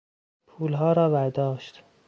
پولها را ورداشت.